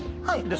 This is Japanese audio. はい。